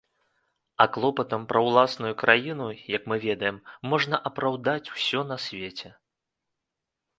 А клопатам пра ўласную краіну, як мы ведаем, можна апраўдаць усё на свеце.